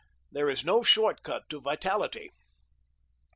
There is no short cut to vitality.